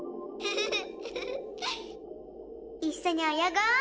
いっしょにおよごう。